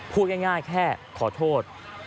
พูดง่ายแค่ขอโทษ